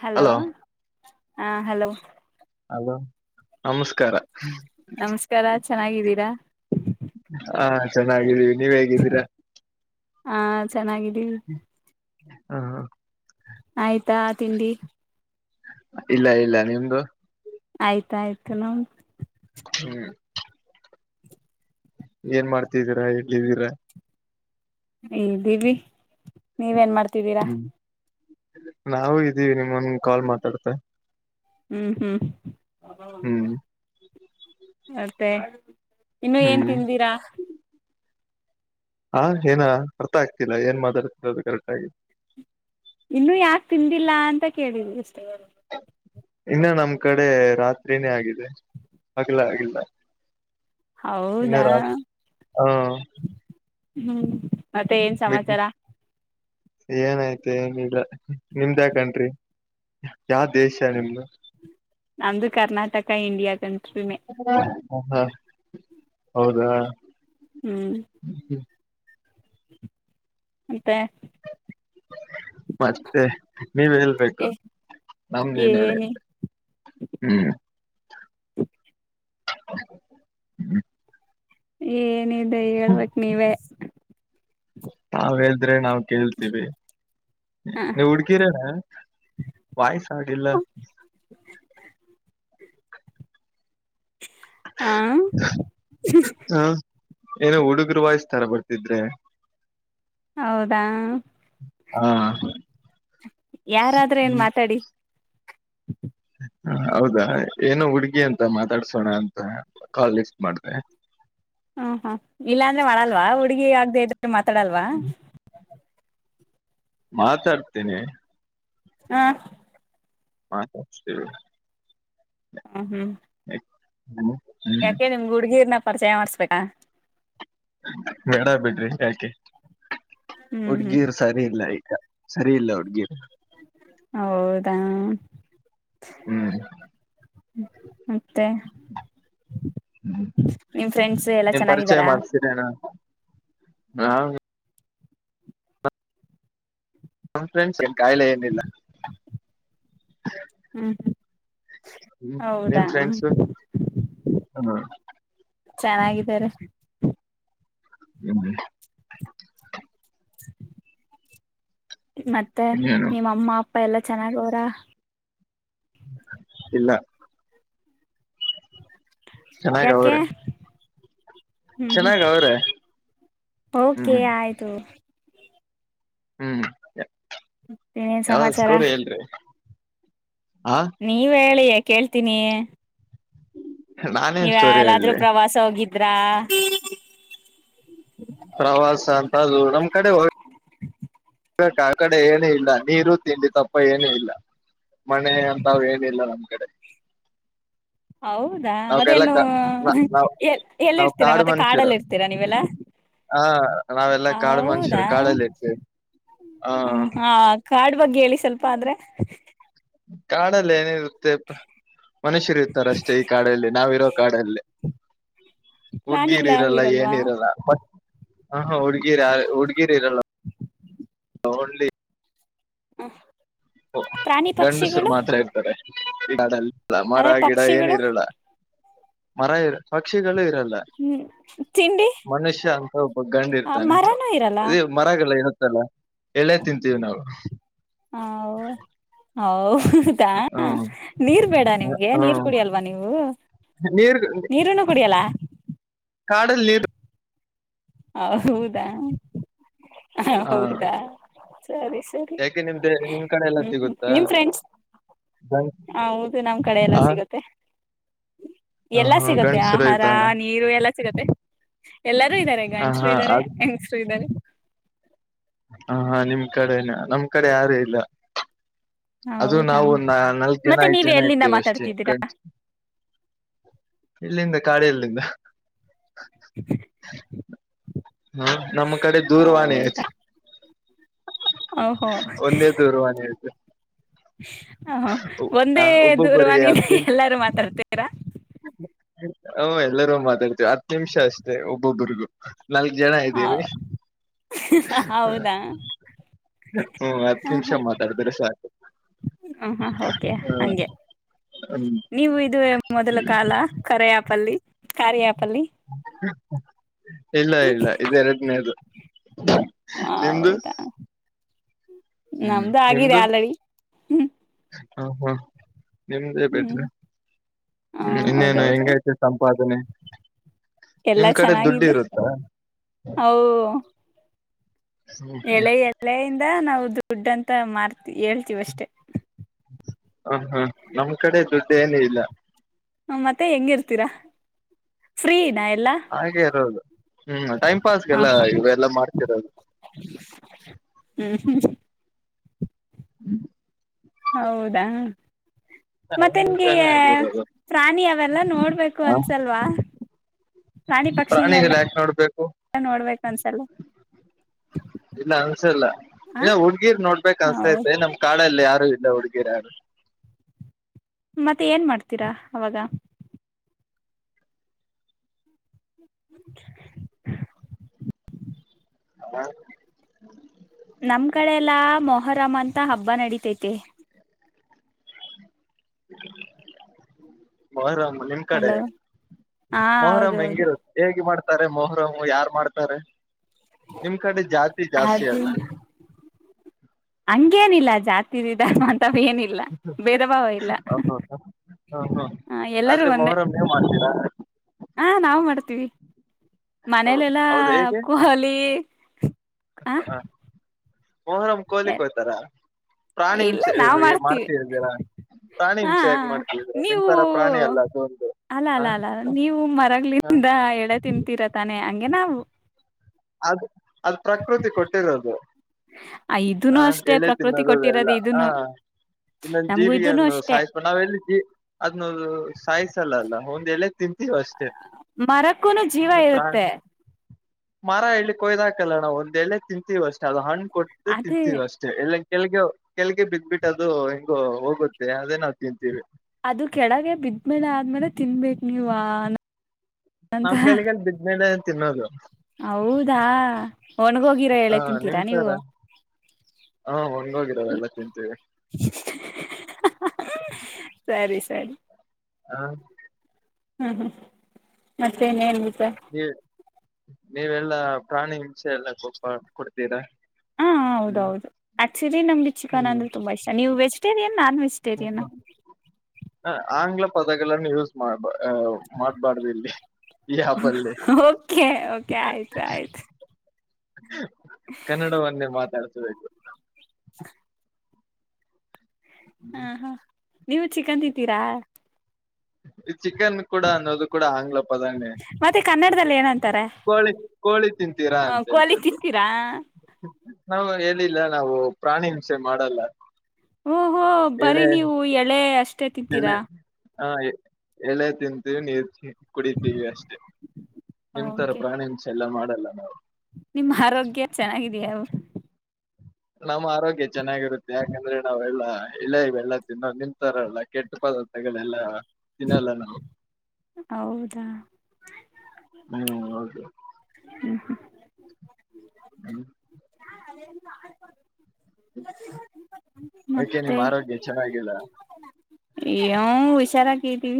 Hello ಹ hello. Hello ನಮಸ್ಕಾರ. ನಮಸ್ಕಾರ ಚೆನ್ನಾಗಿದ್ದೀರಾ. ಹಾ ಚೆನ್ನಾಗಿದ್ದೀವಿ ನೀವ್ ಹೇಗಿದ್ದೀರಾ. ಹಾ ಚೆನ್ನಾಗಿದ್ದೀ. ಹಾ. ಆಯ್ತಾ ತಿಂಡಿ. ಇಲ್ಲ ಇಲ್ಲ ನಿಮ್ದು. ಆಯ್ತಾಯ್ತು ನಾ. ಹ್ಮ್. ಏನ್ ಮಾಡ್ತಿದ್ದೀರಾ ಹೇಳಲಿದ್ದೀರಾ. ಈ ದೀವಿ ನೀವೇನ್ ಮಾಡ್ತಿದ್ದೀರಾ. ಹ್ಮ್ ನಾವು ಇದೀವಿ ನಿಮ್ಮನ್ ಕಾಲ್ ಮಾತಾಡ್ತ. ಹ್ಮ್ ಹ್ಮ್ ಮತ್ತೆ. ಇನ್ನು ಏನ್ ಹ್ಮ್ ತಿಂದಿರಾ. ಹಾ ಏನ ಅರ್ಥ ಆಗ್ತಿಲ್ಲ ಏನ್ ಮಾತಾಡ್ತಿರ ಅದು ಕರೆಕ್ಟ್ ಆಗಿ. ಇನ್ನುೂ ಯಾಕೆ ತಿಂದಿಲ್ಲ ಅಂತ ಕೇಳಿದಿ ಅಷ್ಟೇ. ಇನ್ನ ನಮ್ ಕಡೆ ರಾತ್ರಿನೇ ಆಗಿದೆ ಆಗ್ಲ ಆಗಲ್ಲ. ಹೌದಾ ಇನ್ನರ ಹ್ಮ. ಹ್ಮ್ ಮತ್ತೆ ಏನ್ ಸಮಾಚಾರ. ಏನಾಯ್ತ ಏನಿಲ್ಲ ನಿಮ್ದ ಹಕನ್ ಯಾವ ದೇಶ ನಿಮ್ದ ನಮ್ದು ಕರ್ನಾಟಕ ಇಂಡಿಯಾಗಂತ ಹ ಹಾ ಹೌದಾ ಹ್ಮ್ ಮಂತೆ ಮತ್ತೆ ನೀವ ಹಳ್ಬೇಕು ನಮ ನೀನ್ ಹೇಳೆ ಏನಿ ಹ್ಮ್ ಹ್ಮ್ ಏನಿದೆ ಹೇಳ್ಬೇಕಕ್ ನೀವೇ ನಾವ ಎಲ್ ನಾವವು ಕೇಳ್ತೀವಿ ಹ ನೀ ಹುಡ್ಕಿರ ವಾಯ್ಸ ಆಗಿಲ್ಲ ಹಾ ಏನ ಹುಡುಗರುರುವಾಯಸ್ರ ಬರ್ತಿದ್ರೆ ಹೌದಾ ಹಾ ಯಾರಾದ್ರೆ ಏನ್ ಮಾತಾಡಿ ಹ ಹೌದಾ ಏನು ಹುಡ್ಗಿ ಅಂತ ಮಾತಾಡ್ಸೋಣ ಅಂತ ಕಾಲ್ ಎಕ್ ಮಾಡ್ದ ಹ್ಮ ಹ ಇಲ್ಲಾ ಅಂದ್ರೆ ಮಾಡಲ್ವಾ ಹುಡ್ಗಿ ಆಗದೆ ಇದ್ರೆ ಮಾತಾಡಲ್ವಾ ಮಾತಾಡ್ತೀನಿ ಹಾ ಹ ಸರಿ ಹ್ಮ ಹ್ಮ್ ್ ಯಾಕೆ ನಿಮ್ ಗುಡ್ಗೀರ್ನ ಪರಿಚಯ ಮಾಡಸ್ಬೇಕಾ ನಡ ಬಿಡ್ರಿ ಯಾಕೆ ಹ್ಮ್ ಹ್ಮ್ ಹುಡ್ಗಿರು ಸರಿ ಇಲ್ಲ ಸರಿ ಇಲ್ಲ ಹುಡ್ಗಿ ಹೌದಾ ಹ್ಮ್ ಮತ್ತೆ ಹ್ಮ್ ನಿಮ ಫ್ರೆಂಡ್ಸ್ ಎಲ್ಲಾ ನೀವ್ ಪರಿಚಯ ಚೆನ್ನಾಗಿದ್ದಾರಾ ಹ ನಮ ಫ್ರೆಂಡ್ಸ್ ಏನ್ ಕಾಯಿಲೆ ಏನಿಲ್ಲ ಹ್ಮ್ ಹ್ಮ್ ಹ್ಮ್ ಹೌದಾ ನಿಮ್ ಫ್ರೆಂಡ್ಸು ಹ್ಮ ಚೆನ್ನಾಗಿದ್ದಾರೆ ಎ ಮತ್ತೆ ಇನ್ನೇನು ನಿಮ್ಮಮ್ಮ ಅಪ್ಪ ಪಪ್ಪ ಎಲ್ಲಾ ಚೆನ್ನಾಗ ಅವರ ಇಲ್ಲ ಚೆನ್ನಾಗ ಯಾಕೆ ಅವ್ರೆ ಹ್ಮ್ ಹ್ಮ್ ಚೆನ್ನಾಗ ಅವ್ರೆ ಹ್ಮ್ ಓಕೆ ಹ್ಮ್ ಆಯ್ತು ಹ್ಮ್ ಇನ್ನೇನ್ ಯಾವುದಾದರೂ ಸಮಾಚಾರ ಸ್ಟೋರಿ ಹೇಳ್ರಿ ಆ ನೀವ ಹೇಳಿ ಕೇಳ್ತೀನಿ ನಾನೇನ್ ನೀವ್ ಸ್ಟೋರಿ ಯಲ್ಲಾದ್ರೂ ಹೇಳ್ರಿ ಪ್ರವಾಸ ಹೋಗಿದ್ರಾ ಪ್ರವಾಸ ಅಂತೂ ನಮ್ ಕಡೆ ಹೋಗ [inaudible] ಹ ಆ ಕಡೆ ಏನು ಇಲ್ಲ ನೀರು ತಿಂಡಿ ತಪ್ಪ ಏನು ಇಲ್ಲ ಮನೆೆ ಅಂತ ಅವ್ರು ಹೇನಿಲ್ಲ ನಮ್ ಕಡೆ ಹೌದಾ ಮತ್ತೆ ನಾವ್ಗೆಲ್ಲ ನು ಕ ನಾವ್ ಎ ಎಲ್ಲಿ ನಾವ್ ಇರ್ತೀರಾ ಮತ್ತೆ ಕಾಡಲ್ಲಿ ಇರ್ತೀರಾ ನೀವೆಲ್ಲಾ ಹಾ ನಾವೆಲ್ಲಾ ಕಾಡು ಹೌದಾ ಮನುಷ್ಯರು ಕಾಡಲ್ಲಿ ಇರ್ತೀವಿ ಹ್ಮ ಹಾ ಕಾಡ್ ಬಗ್ಗೆ ಹೇಳಿ ಸ್ವಲ್ಪ ಆದ್ರೆ ಕಾಡಲ್ಲಿ ಏನಿರುತ್ತೆ ಮನುಷ್ಯರು ಇರ್ತಾರ ಅಷ್ಟೇ ಈ ಕಾಡಲ್ಲಿ ನಾವಿರೋ ಕಾಡಲ್ಲಿ ಹುಡ್ಗಿರಿ ಪ್ರಾಣಿಗಳು ಯಾವು ಇರಲ್ಲ ಏನ ಇರಲ್ವಾ ಇರಲ್ಲ ಬಟ್ ಹುಡ್ಗಿರಿ ಹುಡ್ಗಿರಿ ಇರಲ್ಲ ಓನ್ಲಿ ಹ ಓ ಗಂಡಸುರು ಮಾತ್ರ ಇರ್ತಾರೆ ಗಿಡಾಡಲ್ಲಿ ಮರ ಆದ್ರೆ ಗಿಡ ಏನ ಪಕ್ಷಿಗಳು ಇರಲ್ಲ ಮರ ಮರ ಪಕ್ಷಿಗಳು ಹ್ಮ್ ತಿಂಡಿ ಮನುಷ್ಯ ಅಂತ ಒಬ್ಬ ಗಂಡ ಇರ್ತಾನೆ ಮರನೂ ಇರಲ್ಲ ಇ ಮರಗಳು ಇ ಲ್ಲ ಎಲೆ ತಿಂತೀವಿ ನಾವು ಹ ಹೌ ಹೌದಾ ಹ್ಮ್ ನೀರ್ ಬೇಡ ನಿಮ್ಗೆ ನೀರ್ ಹ್ಮ್ ಕುಡಿಯಲ್ವಾ ನೀವು ನೀರ್ ನೀರನ್ನು ಕುಡಿಯಲ್ಲ ಕಾಡಲ್ಲಿ ನೀರು ಹ ಹೌದಾ ಹಾ ಹೌದಾ ಸರಿ ಸರಿ ಯಾಕೆ ನಿಮ್ದೆ ನಿಮ್ ಕಡೆ ಎಲ್ಲ ಹ್ಮ ಹ ಸಿಗುತ್ತಾ ನಿಮ್ ಫ್ರೆಂಡ್ಸ್ ಗಂಡ್ ಹ ಹೌದು ನಮ್ ಕಡೆ ಎಲ್ಲ ಆ ಸಿಗುತ್ತೆ ಹ ಎಲ್ಲಾ ಹಾ ಸಿಗತ್ತೆ ಗಂಡ್ಸರು ಆಹಾರ ಇದ್ದಾರ ನೀರು ಎಲ್ಲಾ ಸಿಗತ್ತೆ ಎಲ್ಲರೂ ಇದ್ದಾರೆ ಹ ಗಂಡಸರು ಹಾ ಇದ್ದಾರೆ ಅದ್ ಯಂಗ್ಸ್ರು ಇದ್ದಾರೆ ಹ ಹಾ ನಿಮ್ ಕಡೆನ ನಮ್ ಕಡೆ ಯಾರು ಇಲ್ಲ ಅದು ಹೌದಾ ನಾವು ನಾಲ್ಕ್ ಜನ ಮತ್ತೆ ಐದ್ ನೀವ್ ಜನ ಎಲ್ಲಿಂದ ಇರ್ತೇವೆ ಅಷ್ಟೇ ಮಾತಾಡ್ತಿದ್ದೀರಾ ಗಂಡ್ಸ್ ಇಲ್ಲಿಂದ ಕಾಡ ಎಲ್ಲಿಂದ [unintelligible] ಹ್ಮ ನಮ್ಮ ಕಡೆ ದೂರವಾಣಿ ಐತಿ ಹೌದಾ ಓಹೋ ಒಂದೇ ದೂರವಾಣಿ ಹ ಒಂದೇ ದೂರವಾಣಿಂದ ಎಲ್ಲಾರು ಮಾತಾಡ್ತೇ ಓ ಎಲ್ಲರೂ ಮಾತಾಡ್ತೇವಿ ಹತ್ ನಿಮಿಷ ಅಷ್ಟೇ ಒಬ್ಬೊಬರಿಗೂ ನಾಲ್ಕ್ ಜನ ಇದ್ದೀವಿ ಹೌದಾ ಹ್ಮ ಹತ್ ಹ ನಿಮಿಷ ಹ ಮಾತಾಡ್ತಾರೆ ಸಾಕು ಹ ಹಾ ಓಕೆ ಹ ಹಂಗೆ ಹ್ಮ್ ನೀವು ಇದು ಮೊದಲ ಕಾಲ ಕರಯಪಲ್ಲಿ ಕಾರ್ಯ ಅಲ್ಲಿ ಇಲ್ಲ ಇಲ್ಲ ಇದ ಎರಡನೇದು ನಿಮ್ದು ಹೌದಾ ಹ್ಮ್ ನಮ್ದು ಆಗಿದೆ ನಿಮ್ದು ಆಲ್ರೆಡಿ ಹ್ಮ್ ಹಾ ಹಾ ನಿಮ್ದೇ ಹ್ಮ್ ಬಿಟ್ರು ಹ ಇನ್ನೇನು ಹೌದೌದು ಹೆಂಗೈತೆ ಸಂಪಾದನೆ ಎಲ್ಲಾ ನಿಮ್ ಕಡೆ ದುಡ್ಡು ಚೆನ್ನಾಗಿದೆ ಇರುತ್ತಾ ಔ ಎಳೆ ಎಲೆಯಿಂದ ನಾವು ದುಡ್ಡ ಅಂತ ಮಾರ್ತಿವಿ ಹೇಳ್ತೀವ ಅಷ್ಟೆ ಹ ಹಾ ನಮ್ ಕಡೆ ಜೊತೆ ಏನ ಇಲ್ಲ ಮತ್ತೆ ಹೆಂಗಿ ಇರ್ತೀರಾ ಫ್ರೀನ ಹಾಗೆ ಇರೋದು ಹ್ಮ್ ಟೈಮ್ ಹ ಪಾಸ್ಗೆಲ್ಲ ಹಾ ಇವೆಲ್ಲ ಮಾಡ್ತಿರೋದು ಹ್ಮ್ ಹ್ಮ್ ಹ್ಮ್ ಹೌದಾ ಐದ್ ಮತ್ತೆ ನಿಮ್ಗೆ ನಿಮಿಷಾನೇ ಆಗಿರೋದು ಪ್ರಾಣಿ ಅವೆಲ್ಲ ನೋಡ್ಬೇಕು ಅನ್ಸಲ್ವಾ ಪ್ರಾಣಿ ಪಕ್ಷಿಗಳನೆಲ್ಲ ಪ್ರಾಣಿಿಗೆಲ್ಲ ಯಾಕೆ ನೋಡ್ಬೇಕು ನೋಡ್ಬೇಕು ಅನ್ಸಲ್ವಾ ಇಲ್ಲ ಅನ್ಸಲ್ಲ ಇ ಆ ಹುಡ್ಗಿರ್ ನೋಡ್ಬೇಕು ಹೌದ್ ಅನ್ಸತೆ ನಮ್ ಕಾಡಲ್ಲಿ ಯಾರ ಹ ಇಲ್ಲ ಹಡುಿಕರಾನ ಮತ್ತೆ ಏನ್ ಮಾಡ್ತೀರಾ ಅವಾಗ [unintelligible] ಹ ನಮ್ ಕಡೆ ಎಲ್ಲಾ ಮೊಹರಂ ಅಂತ ಹಬ್ಬ ನಡೀತೈತೆ ಬ ರಾಮ ನಿಮ್ ಕಡೆ ಹಲೋ ಹಾ ಮೊಹರಂ ಹೌದೌದು ಹೆಂಗಿರುತ್ತ ಹೇಗೆ ಮಾಡ್ತ ತ ಮೊಹ್ರ ಯಾರ್ು ಮಾಡ್ತಾರೆ ನಿಮ್ ಕಡೆ ಜಾತಿ ಜಾಸ್ತಿ ಅದು ಅಲ್ಲ ಹಂಗೇನಿಲ್ಲ ಜಾತಿಧಂತ ಏನಿಲ್ಲ ಭೇದ ಭಾವ ಇಲ್ಲ ಹ ಹ ಹ ಹ ಎಲ್ಲರೂ ಆದ್ರೆ ಒಂದೇ ಮೊಹರಂ ನೀವ್ ಮಾಡ್ತೀರಾ ಹಾ ನಾಾವ್ ಮಾಡ್ತೀವಿ ಹ್ಮ್ ಮನೇಲೆಲ್ಲಾ ಹೌದು ಹೇಗೆ ಕುಹಲಿಿ ಹ ಹ ಮೊಹರಮ್ ಕೋಲಿಕ್ ಹೋ್ತಾರ ಪ್ರಾಣಿ ಇಲ್ಲ ಹಿಂಸೆ ನಾವ್ ಮಾಡ್ತೀವಿ ಮಾಡ್ತಿದ್ದೀರಾ ಪ್ರಾಣಿ ಹ ಹಿಂಸೆ ಹಗ್ ಮಾಡ್ತಿದೀರ ನೀವು ನಿನ್ಸಾರ ಪ್ರಾಣಿ ಅಲ್ಲ ಹದು ಅಲ್ಲ ಅಲ್ಲ ಅಲ್ಲ ನೀವು ಮರಗಳಿಂದ ಎಳೆ ತಿನ್ಂತೀರ ತಾನೆ ಹಂಗೆ ನಾವು ಅದ ಅದು್ ಪ್ರಕೃತಿ ಕೊಟ್ಟಿರದು ಇದನು ಹಾ ಅಷ್ಟೇ ಹೇಳೇ ಪ್ರಕೃತಿ ತಿನ್ನದುದೆಲ್ಲ ಕೊಟ್ಟಿರೋದು ಹಾ ಇದನು ಇನ್ನೊಂದು ನಮ್ಗೂ ಇದನು ಜೀವಿಗೆನ್ನು ಅಷ್ಟೇ ಸಾಯಿಸ ನಾವ ಎಲ್ಲಿ ಜ ಅದನ್ನು ಸಾಯಿಸಲ್ಲ ಅಲ್ಲ ಹ ಎಲ್ಲ ತಿಂತೀವಿ ಅಷ್ಟೇ ಮರಕ್ಕೂನು ಜೀವ ನೀವು ಪ್ರಾಣಿ ಇರುತ್ತೆ ಮರ ಎಲ್ಲಿ ಕೊಯ್ದಾಕಲ್ಲಣಾವು ಒಂದ ಎಲ್ಲೇ ತಿಂತೀವ ಅಷ್ಟೇ ಅದು ಹಣ್ಣ ಕೊಟ್ಟು ಅದೇ ತಿಂತೀವ ಅಷ್ಟೇ ಎಲ್ಲ ಕೆಲಗೆ ಕೆಲ್ಗೆ ಬಿದ್ಬಿಟ್ಟು ಅದು ಹಿಂಗ ಹೋಗುತ್ತೆ ಅದೇ ನಾವವು ತಿಂತೀವಿ ಅದು ಕೆಳಗೆ ಬಿದ್ಮೇಲೆ ಆದ್ಮೇಲೆ ತಿನ್ಬೇಕೇು ನೀವ ನಾವ್ ಕಲ್ಗೆಲ್ ಬಿದ್ಮೇಲೆ ತಿನ್ನೋದು ಹೌದಾ ಒಣಗೋಗಿರೋ ಹೇಳೆ ತಿಂತೀರಾ ನೀವು ಹಾ ಹಂಗೋಗಿರಲ್ಲ ಎಲ್ಲ ತಿಂತೀವಿ ಸರಿ ಸರಿ ಹ ಹ್ಮ್ ಹ್ಮ್ ಮತ್ತೆನೇನ್ ನೀ ನೀವೆಲ್ಲಾ ಪ್ರಾಣಿ ಹಿಂಷೆ ಎಲ್ಲ ಕೊಪ ಕೊಡ್ತೀರಾ ಹಾ ಹ್ಮ್ ಹೌದೌದು ಆಕ್ಚುಲಿ ನಮ್ಗೆ ಚಿಕನ್ ಅಂದ್ರೆ ತುಂಬಾ ಇಷ್ಟ ನೀವು ವೆಜಿಟೇರಿಯನ್ ನಾನ್ ವೆಜಿಟೇರಿಯನ್ ಹ್ಮ ಹ ಆಂಗ್ಲ ಪದಗಳನ್ನು ಯೂಸ್ ಮಾಡ್ಬ ಮಾಡ್ಬಾರ್ದು ಇಲ್ಲಿ ಯ ಆ ಪಲ್ಲ ಓಕೆ ಓಕೆ ಆಯ್ತು ಆಯ್ತು ಕನ್ನಡವನ್ನೇ ಮಾತಾಡ್ಸಬೇಕು ಹಾ ಹಾ ನೀವು ಚಿಿಕಂದಿದ್ದೀರಾ ಈ ಚಿಕನ್ ಕೂಡ ಅನ್ನೋದು ಕೂಡ ಆಂಗ್ಲಪ್ಪ ದೆ ಮತ್ತೆ ಕನ್ನಡದಲ್ಲಿ ಏನಂತಾರೆ ಕೋಳಿ ಕೋಳಿ ತಿಂತೀರಾ ಆ, ಅಂತ ಕೋಳಿ ಹೇಳ್ಬೇಕು ತಿಂತೀರಾ ನಾವು ಹೇಳಿಲ್ಲ ನಾವು ಪ್ರಾಣಿ ಹಿಸೆ ಮಾಡಲ್ಲ ಹಓ್ ಹೋ ಬರಿೀ ಎಳೆ ನೀವು ಎಳೆ ಅಷ್ಟೇ ಎಳೆ ತಿಂತೀರಾ ಹಾ ಎಲೆ ತಿಂತೀವಿ ನೀ ಕುಡಿತೀವಿ ಅಷ್ಟೇ ನಿಮ ತರ ಓಕೆ ಪ್ರಾಣಿಂಸ ಎಲ್ಲ ಮಾಡಲ್ಲ ನಾವು ನಿಮ್ಮ ಆರೋಗ್ಯ ಚೆನ್ನಾಗಿದೆಯಾ ಅವರು ನಮ್ಮ ಆರೋಗ್ಯ ಚೆನ್ನಾಗಿರುತ್ತೆ ಯಾಕಂದ್ರೆ ನಾವ್ ಎಲ್ಲ ಇಲ್ಲ ಬೆಲ್ಲ ತಿನ್ನೋ ನಿಂತಾರಲ್ಲ ಕೆಟ್ಟ ತಗಗಳ [unintelligible] ಎಲ್ಲ ತಿನ್ನಲ್ಲ ನಾವು ಹೌದಾ ಹ್ಮ್ ಹೌದು ಹ್ಮ ಅಲ್ಲಿ ಅದಕ್ಕೆ ಮತ್ತೆ ನಿಮ್ ಆರೋಗ್ಯ ಚೆನ್ನಾಗಿಲ್ಲ ಹುಷಾರಾಗಿದೀವಿ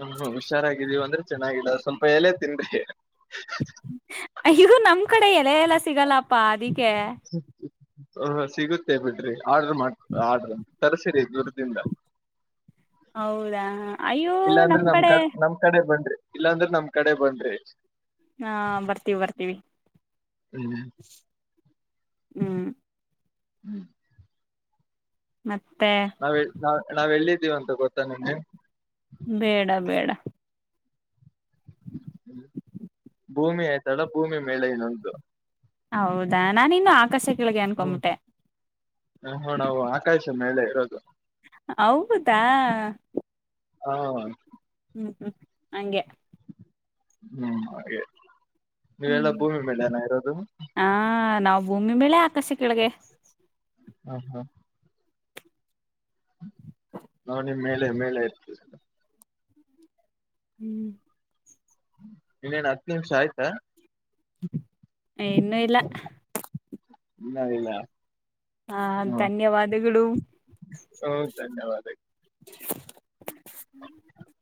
ಹ್ಮ್ ಹುಷಾರಾಗಿದ್ದೀವ ಅಂದ್ರೆ ಚೆನ್ನಾಗಿಡ ಸ್ವಲ್ಪ ಎಲೆೇ ತಿನ್್ರರಿ [unintelligible] ಇಗದು [unintelligible] ನಮ್ ಕಡೆ ಎಲೆ ಎಲ್ಲ ಸಿಗಲ್ಲಪ್ಪಾ ಅದಕ್ಕೆ ಹಹ ಸಿಗುತ್ತೆ ಬಿಡ್ರಿ ಆರ್ಡ್ರ ಮಾಡ್ ಆಡ್ರ ತರ್ಸಿರಿ ದೂರದಿಂದ ಹೌದಾ ಹ ಇಲ್ಲಾಂದ್ರೆ ನಮ್ ಕ ನಮ್ ಕಡೆ ಬನ್ ರೀ ಇಲ್ಲಾಂದ್ರ ನಮ್ ಕಡೆ ಬನ್ ಹಾ ಬರ್ತೀವಿ ಬರ್ತೀವಿ ಹ್ಮ್ ಹ್ಮ್ ಹ್ಮ್ [unintelligible] ಮತ್ತೆ ನಾವ್ ನಾವ್ ನಾವ್ ಎಲ್ಲಿದ್ದೀವ ಅಂತ ಗೊತ್ತಾ ನಿಮಗೆ ಬೇಡ ಬೇಡ ಹ್ಮ ಭೂಮಿ ಆಯ್ತಾಳ ಭೂಮಿ ಮೇಳೆ ಇನ್ನೊಂದುು ಹೌದಾ ನಾನ ಇನ್ನು ಆಕರ್ಶಕ್ಕೆ ಹ್ಮ್ ಹಣ ಆಕಾಸ ಮೇಲೆ ಇರೋದು ಹೌದಾ ಹಾ ಹ್ಮ್ ಹ್ಮ್ ಹಂಗೆ ಹ್ಮ್ ಹಾಗೆ ನೀವೆಲ್ಲ ಹ್ಮ್ ಭೂಮಿ ಮೇಲೆ ನಇರೋದು ಹಾ ನಾವು ಭೂಮಿ ಮೇಲೆ ಆಕರ್ಷ ಕೆಳಗೆ ಹ್ಮ ಹ್ಮ ನಾ ನಿಮ್ ಮೇಲೆ ಮೇಲೆ ಇರ್ತೀಲ್ಲ ಹ್ಮ್ ಇನ್ನೇನ್ ಹತ್ತು ನಿಮಿಷ ಆಯ್ತಾ ಇನ್ನುೂ ಇಲ್ಲ [inaudible] ಇನ್ನು ಇಲ್ಲ ಹಾ ಹ್ಮ ಧನ್ಯವಾದಗಳು ಹ್ಮ ಧನ್ಯವಾದ ಹ್ಮ್ [unintelligible]